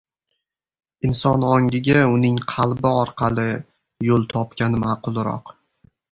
Inson ongiga uning qalbi orqali yo‘l topgan ma’qulroq.